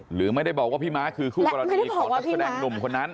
หรือไม่ได้บอกว่าพี่ม้าคือคู่กรณีของนักแสดงหนุ่มคนนั้น